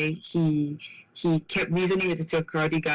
พวกมันคิดว่าพวกมันคิดว่าพวกมันคิดว่า